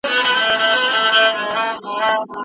استاد د پښتو ادب په اسمان کې د ځلانده ستوري په څېر دی.